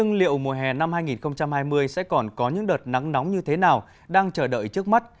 năm hai nghìn hai mươi sẽ còn có những đợt nắng nóng như thế nào đang chờ đợi trước mắt